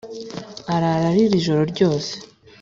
Arara arira ijoro ryose,